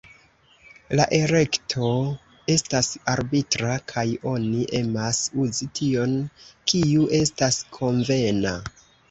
La elekto estas arbitra, kaj oni emas uzi tion kiu estas konvena.